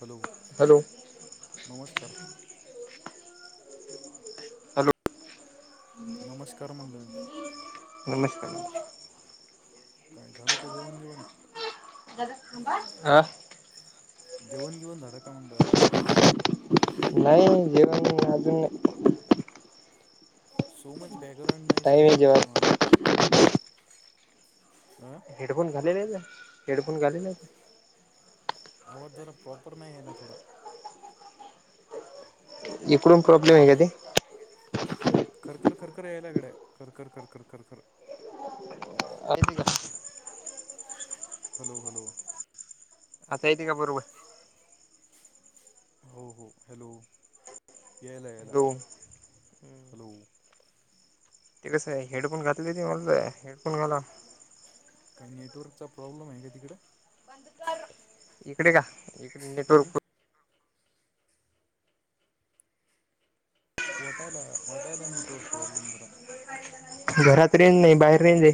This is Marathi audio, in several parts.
Hello, hello. नमस्कार. हॅलो, नमस्कार म्हणल. नमस्कार. काय झालं का जेवण घेवण. दादा तांबा अह, जेवण घेऊन झालं का म्हणल. नाही जेवण अजून नाय. सोमच बाॅकग्रउड नाही से ए टाईम ला आहे तुमच्या जेवायला. माग. आ, हेडफोन घालेले आहेच हेडफोन घालेले. आवाज जरा प्रॉपर नाही आहे ना थोडा. इकडून प्रॉब्लेम आहे ते. खरखं खरखं यायलाकडे खर खर खर खर खर खर. अ [unintelligible] हॅलो हॅलो, आता येते का बरोब. हो हो हॅलो, यायला यायला हॅलो हॅलो, ते कसं काय हेडफोन घातलेने होऊन जाई हेडफोन घाला. काही नेटवर्कचा प्रॉब्लेम आहे का तिकडं. [unintelligible] इकडे का इकडे नेटर हं वाटायला का वाटायला नेटवर्क प्रॉब्लेम जरा. घरात रेंज नाही बाहेर रेंज आहे.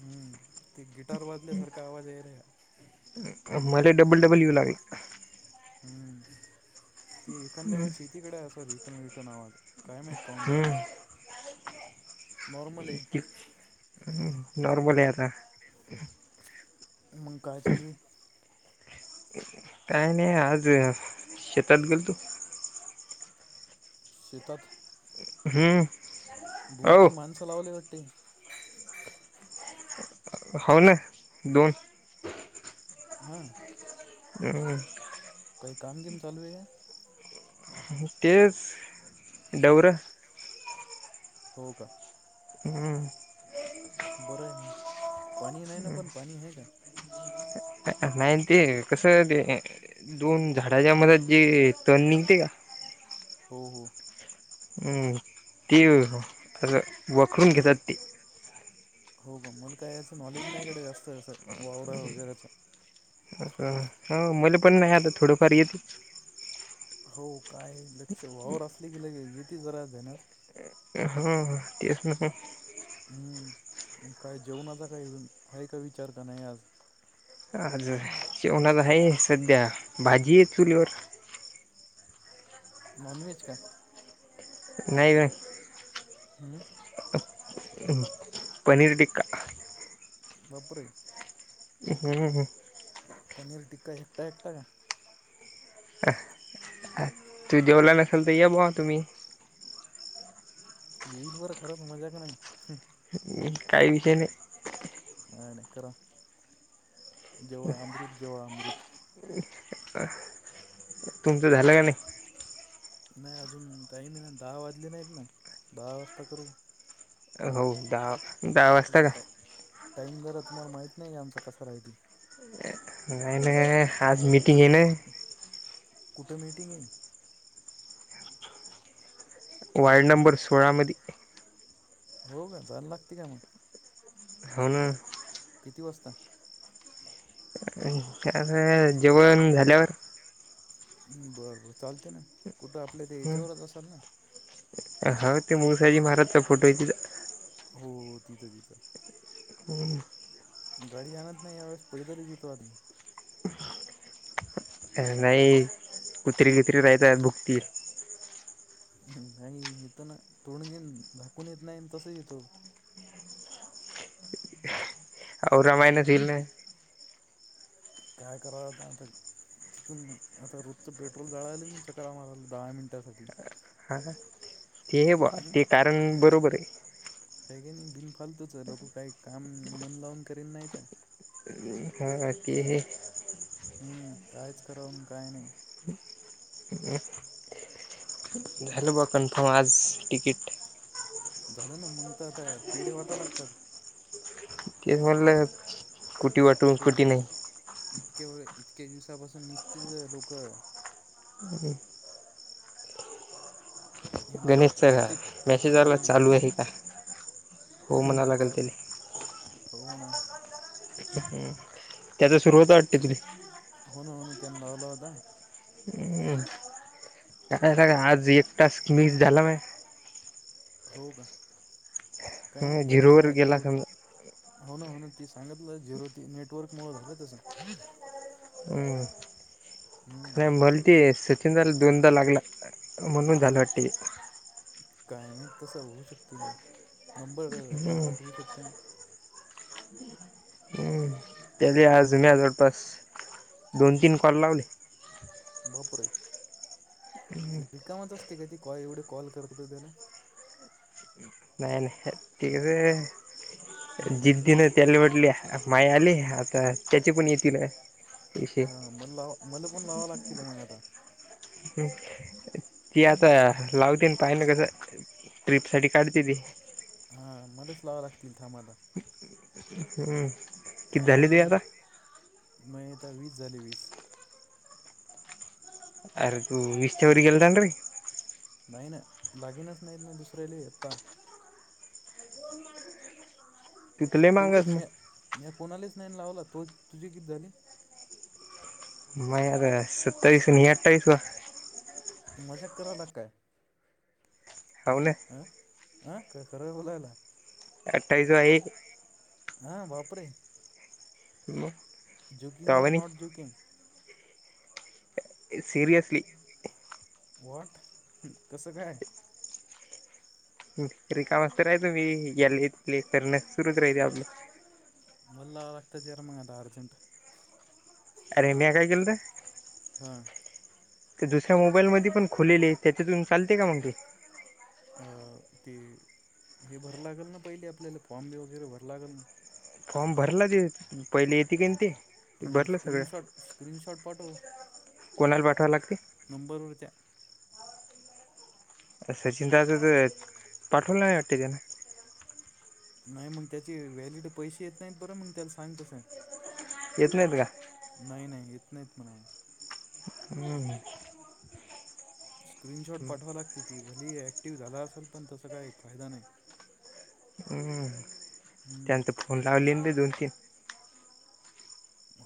हम्म, ते गिटार वाजल्यासारखा आवाज येलय. मले डबल डबल यू लागले. हम्म, ती एखाद्या वेळेस येती गड्या असं रिटर्न रिटर्न आवाजं काय माहीत काहून येते. हम्म. नॉर्मल ये, कसा हाय नॉर्मल ये आता. मंग काय चालू हाय. काय नाही आज शेतात गेल तो. शेतात. हम्म, दोन हो तीन माणसं लावले वाटते. होव ना दोन. हा, करू काय. काही काम कीम चालू आहे का? तेच दौरा. दौरा हो का, हम्म, बरं आहे मग, पाणी नाही ना पण, पाणी हे का? नाही ते, कसं ते. दोन झाडाच्या मध्ये जे, तन निघते का? हो, हो. ती, र वखरुन घेतात ती. हो मल काय याचं नॉलेज नाहीकड जास्त असं, वावरा वगैरेच. हा, हा मल पण नाही आता थोडंफार येतच. हो काय लक्ष वावर असले की लगे, येती जरा देण्यात. ह तेच ना हम्म मग काय जेवणाचा काही हाय का विचार का नाही आज? जेवणाचा हाय सध्या भाजी चुलीवर नॉनव्हेज का? नाही नाही हम्म पनीर टिक्का बापरे हम् ह पनीर टिक्का एकटा एकटा का? तू जेवला नसल तर ये बुवा तुम्ही येईन बर खरक मजाक क नाही काही विषय नाही आणि करा जेवा अमृत जेवा अमृत तुमचं झालं का नाही? नाही अजून टाईम ना दहा वाजले नाहीत ना दहा वाजता करू हो दहाक हो टा टाईम जरा तुम्हाला माहित नाही का आमचा कसा राहिते? नाही ना आज मिटिंग आहे ना कुठं मीटिंग हे? वार्ड हं? नंबर सोळामध्ये हो का जायला लागते का मग? हो ना किती वाजता? जेवण झाल्यावर हम् बरं बरं चालते ना कुठं आपल्या ते याच्यावरच असल ना हो ते मुळसाजी महाराजचा फोटो हाय तिथं हो तिथं तिथं हो ना गाडी आणत नाही या वेळेस पैदलच येतो आम्ही नाही कुत्री गितरी राहतात भुकतील हम् नाही येतो ना तोंड गीन झाकून येत नाही तस येतो [unintelligible] महिन्यात इल ना काय करावतातरी तिथून आता रोजच पेट्रोल जाळालं मी चक्र मारायला दहा मिनिटांसाठी हा ते ब ते कारण बरोबर आहे का काय नाही बिनफालतोच आहे लोक काही काम मन लावून करेन नाही तर हा बाकी हे हम्म कायच करावून काय नाही झाल ब कनफम आज तिकीट झालं ना मग तर आता पेढ वाटा लागतात. तेच म्हटलं कुटी वाटून हो कुटी नाही इतके वे इतक्या दिवसापासून निशतीच लोक [inaudible] गणेश मुळात च ह अधिक मेसेज झाला हा चालू आहे का हो म्हणायला लागेल चाल तिने हो ना ह त्याचा सुरुवात वाटते [inaudible] होन होन तेनं [unintelligible] हम् काय का आज एकटास मिस झाला म हो का काही नाही करत झिरोवर राहायचं गेला एवढं हो ना हो ना ती सांगितलं झेरो त नेटवर्कमुळेळ झालं तसं हम्म हम्म नाही बोली ते सचिनदाला दोनदा लागला म्हणून झालं वाटतय कायम माहित तस होऊ शकते नंबर हम्म टाकण्यात होऊ शकते. त्याने आज [unintelligible] जवळपास दोन तीन कॉल लावले बापरे लय कामात असते काय ती कॉ एवढे कॉल करत होते त्याला नाही नाही ते ज्या हम्म जिद्दी न त्याला वाटलं माय आले आता त्याचे पण येतील विसे म लावा मला पण लावं लागतील मग आता. ह् ती आता लावते ना पाहि ना कसं ट्रिप साठी काढते ती हा मलाच ला लावाय लागतील थांब आता हम्म किती आपलं झाले तुझे पण आता नाहीत वीस झाली वीस अर तू [unintelligible] नाही ना लागेनच नाहीत ना दुसऱ्याला आता तू तर लय मागस तेवढेच म मग मी कोणालाच नाही लावला तो तुझी किती झाली म यार सत्तावीस नि अठ्ठावीस मजाक करायला काय हाऊ ना अ ह काय खरं बोलायला आठावीस [unintelligible] हा बापरे मग तवा जुकिंगऔर नॉट म्हणे जुकिंग सीरयसली व्हॉट कसं काय रिकामी तर हे मी तुमी याला प्ले करण सुरूच करायचं आपलं मला [unintelligible] अर्जंट अरे मी काय केल आहे हा ते दुसऱ्या मोबाईल मध्ये पण खुल्लेले आहे, त्याच्यातून चालते का मग ते? अ, ते, हे भरा लागेल ना पहिले आपल्याला फॉम बी वगैरे भरा लागल ना? फॉर्म भरला की, पहिले येते कनं ते. ते हम्म, भरलं सगळं स्क्रीनशॉट. स्क्रीनशॉट पाठव. कोणाला पाठवां लागते? नंबर वर त्या. सचिन दादा च, पाठवला नाही वाटत त्यानं. नाही मग त्याचे व्हॅलिड पैसे येत नाहीत बरं मग त्याला सांग तसं. येत नाहीत का? नाही नाही, येत नाहीत म्हणावं. हम्म. स्क्रीनशॉट पाठवा लागते ती. भली अक्टिव्ह झाला असल, पण तसा काही फायदा नाही. हम्म. हम्म, त्यांनंत फोन लावली ते दोन तीन.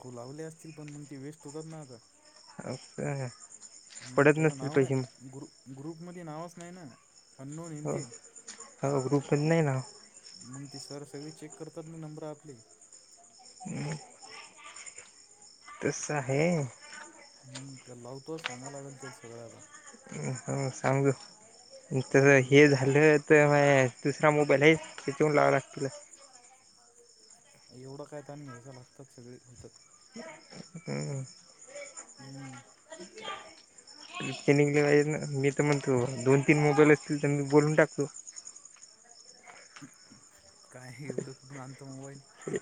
हो लावले असतील पण मग ते वेस्ट होतात ना आता. हो का. हम्म त्याचं नाव नाही, ग्रु-ग्रुपमध्ये नावच नाही ना. अननोन हाय ना हो ते. हो ग्रुपमध्ये नाही नाव मग ते सर सगळी चेक करतात ना नंबरं आपली. हम्म. तस्स हाय? हम्म. त्याला लावतो, सांगा लागल त्याला सगळं आता. हम्म हम्म सांग. तस हम्म हे झालं तर मह्या दुसरा मोबाईल हे, त्याच्या वरून लावा लागतीलला एवढं काय ताण घ्यायचं लागतात, सगळी होतात. हम्म. हम्म. [unintelligible] [unintelligible] मी तर म्हणतो, दोन तीन मोबाईल असतील तर मी बोलून टाकतो. काय एवढं कुठून आणतो मोबाईल? हं?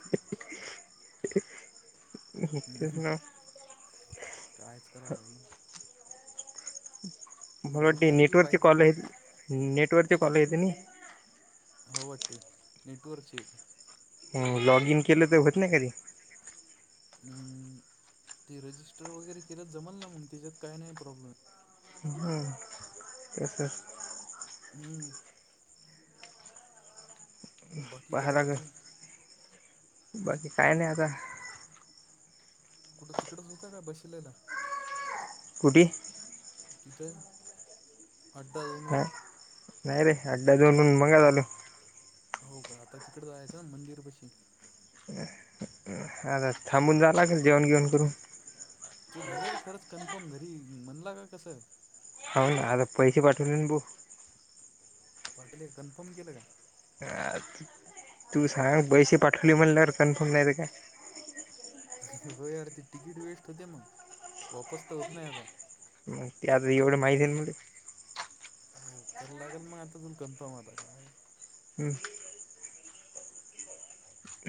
तेच हम्म, ना कायचं करावं भाई. मला वाटतं बोलणारे बी नेटवर्कची पाहिजे ना कॉल, नेटवर्कची कॉल येतं नी? हो वाटते. नेटवरची येत. ही, लॉग इन केलं तर होत नाही कधी. [unintelligible] अम, ते रजिस्टर वगैरे केलं जमल ना मग, त्याच्यात काय नाही प्रॉब्लेम. हम्म. Yes yes. [inaudible] बाकी पाहा काय लागल चालू आहे? बाकी काय नाही आता. कुठं तिकडच होतं का बसलेला? कुठे? तिथं. अड्डा दोन हा वर. नाही रे. अड्डा दोन वरनं मगाच आलो. हो का आता तिकडे जायचं ना मंदिर पशी आ थांबून जा लागेल. जेवण घेवण करून. तू झालं का खरंच कन्फर्म घरी म्हणला का कसं हो ना. आता पैसे पाठवले ना बो. पाटवले कन्फर्म केलं का. तू सांग, पैसे पाठवले म्हणल्यावर कन्फर्म नाहीतर काय. हो यार ती तिकीट वेस्ट होते मग. वापस तर होत नाही आता. ते आता एवढं माहितीन मले हो करा लागेल मग आता, अजून कनफर्म आता काय. हम्म्म.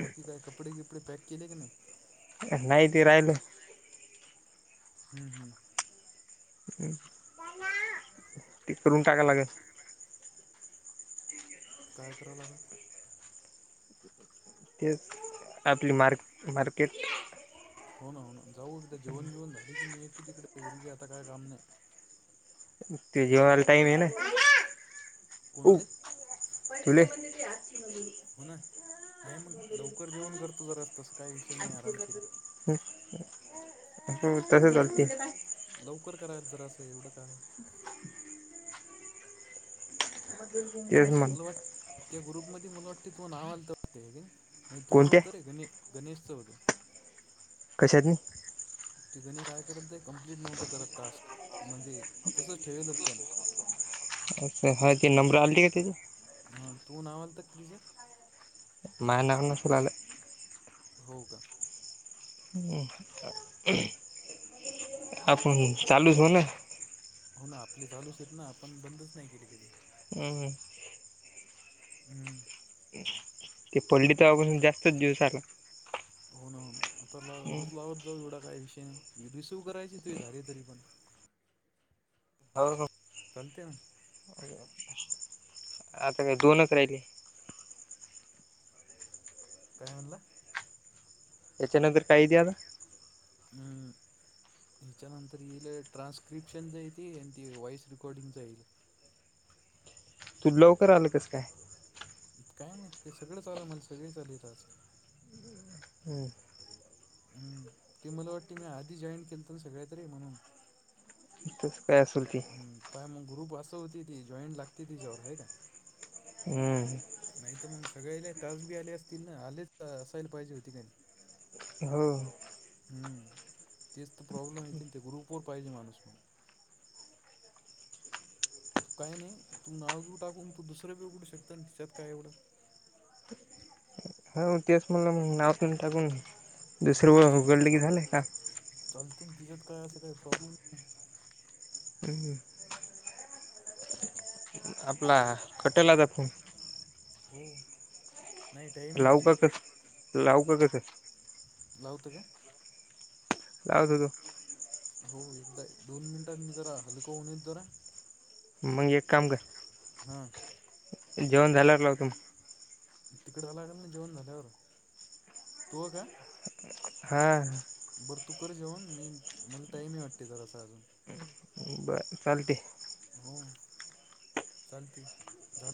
बाकी काय कपडे, बिपडे पॅक केले की नाही. नाही ते राहिलं हम्म, हम्म. हम्. टिक करून टाका लागेल. काय कराव लागल. तेच आपली मार्क मार्केट. हो ना हो ना जाऊ एकदा जेवन घेऊन झाले की मी येतो, तिकडे एरवी बी आता काय काम नाही. ते जेवाला टाइम आहे ना, कोणाले तुले. [unintelligible] हो, ना नाही मग लवकर जेवण करतो, जरा तस काही विषय नाही आरामशीरी. हो तस चालते. लवकर करायच जरास, असं एवढं काय आहे. ते. मला वाटत, त्या ग्रुप मध्ये मला वाटतें तो नाव आलत. ते काय, नाही तो कोणत्या नव्हत रे गणेश गणेश चौधरी. कशात ते, कणी काय करत ते कम्प्लीट नव्हत करत टास्क. म्हणजे तसंच ठेवेल होत त्यान अच्छा, हा ते नंबर आलेली का त्याची. हा, तू नाव आलत का तिच्यात. माय नाव नसल आल. हो का. हम्. आपण चालूच होना. हो ना आपले चालूचेत ना, आपण बंदच नाही केले कधी. हं हं. हम्म. ते पडली तव्हा पासून जास्तच जेास आला. हो ना, हो ना आता रोज लावत तो, एवढा काय विषय नाही, रिसिव्ह करायची तुझे झाले तरी पण हो, हो. चालते ना. [inaudible] आता काय दोनच राहिले. काय म्हणला. त्याच्यानंतर काही दे आता हम्म. हच्यानंतर येईल ट्रान्स्क्रिप्शनच येते आणि ती वॉइस रेकॉर्डिंगचं येईल. तू लवकर आलं कसं काय? काय माहीत का सगळेच आलं म्हणून सगळेच आलेत आज. हम्म हम्म ते मला वाटते मी आधी जॉईन केलंत सगळ्यात रे म्हणून तस काय असेल ते हम्म काय मग ग्रुप असा होती ती जॉईंट लागते तिच्यावर आहे का? हम्म नाही तर मग सगळ्याले तास बी आले असतील ना आलेत असायला पाहिजे होते का नाय. हो हम् तेच तर प्रॉब्लेम येत ते ग्रुपवर पाहिजे माणूस तू काय नाही तू नाव बीव टाकून तू दुसरं बी उघडू शकत त्याच्यात काय एवढं हो तेच म्हटलं मग नाव बीव टाकून हो दुसरं चा उघडले की झालं काम. [inaudible] तिच्यात काय असं काही प्रॉब्लेम ये हू हू आपला कटेला [inaudible] हो नाही टाईम आहे लावू अजून का [inaudible] लावू का [inaudible] लावतो का? [unintelligible] हो येतं दोन मिनिटात मी जरा हलकं होऊन येतो जरा. मग एक काम कर हा जेवण झालं? जेवण झाल्यावर लावू का? तिकड [inaudible] ना जेवण झाल्यावर तूव का. हा बरं तू कर जेवण मी मला टाईम ये वाटते जरासा अजून. बरं चालते. हो चालते. झालं